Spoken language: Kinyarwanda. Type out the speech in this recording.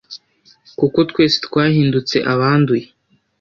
“Kuko twese twahindutse abanduye